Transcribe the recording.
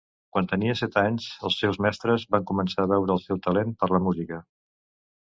Quan tenia set anys els seus mestres van començar a veure el seu talent per la música.